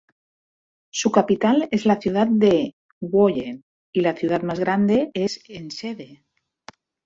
Su capital es la ciudad de Zwolle y la ciudad más grande es Enschede.